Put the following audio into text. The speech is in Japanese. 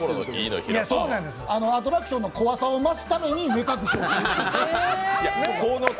アトラクションの怖さを増すために目隠しを。